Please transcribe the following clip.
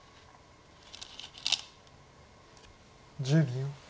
１０秒。